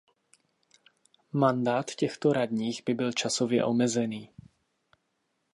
Mandát těchto "radních" by byl časově omezený.